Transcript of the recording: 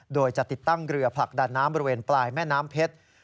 โดยจะติดตั้งเรือผลักดันน้ำบริเวณปลายแม่น้ำเพชร